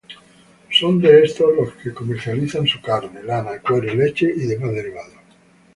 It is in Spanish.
Son de estos lo que comercializan su carne, lana, cuero, leche y demás derivados.